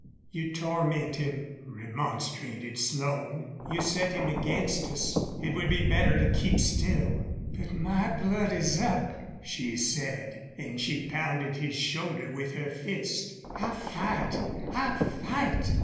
"You torment him," remonstrated Slone. "You set him against us. It would be better to keep still." "But my blood is up!" she said, and she pounded his shoulder with her fist. "I'll fight I'll fight!